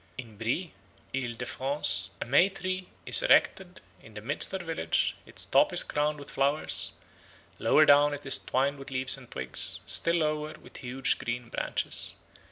In Brie (Isle de France) a May tree is erected in the midst of the village; its top is crowned with flowers; lower down it is twined with leaves and twigs, still lower with huge green branches.